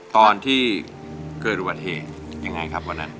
ตอนที่เกิดอุบัติเหตุยังไงครับวันนั้น